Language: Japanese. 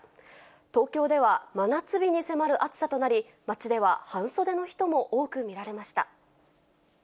東京では真夏日に迫る暑さとなり、街では半袖の人も多く見られました。